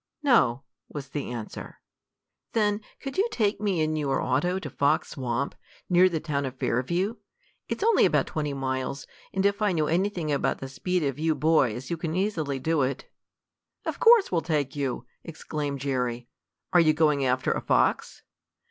"No," was the answer. "Then could you take me in your auto to Fox Swamp, near the town of Fairview? It is only about twenty miles, and if I know anything about the speed of you boys you can easily do it." "Of course we'll take you!" exclaimed Jerry. "Are you going after a fox?"